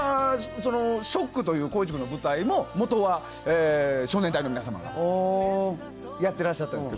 「ＳＨＯＣＫ」という光一君の舞台ももとは少年隊の皆さんがやってらっしゃったんですが。